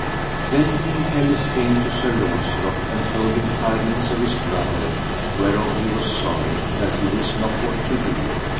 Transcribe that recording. Then King Pelles came to Sir Launcelot and told him tidings of his brother, whereof he was sorry, that he wist not what to do.